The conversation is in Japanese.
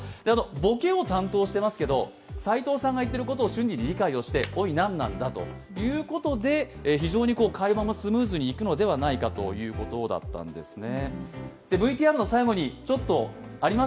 ボケを担当していますけど、斉藤さんが言っていることを瞬時に理解しておい、何なんだということで非常に会話もスムーズにいくのではないかということだったんですね。